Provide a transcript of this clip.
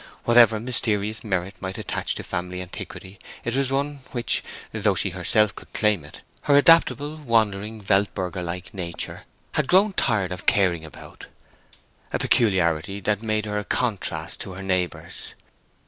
Whatever mysterious merit might attach to family antiquity, it was one which, though she herself could claim it, her adaptable, wandering weltbürgerliche nature had grown tired of caring about—a peculiarity that made her a contrast to her neighbors.